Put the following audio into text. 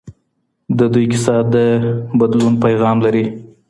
د دوی کیسه د بدلون پیغام لري.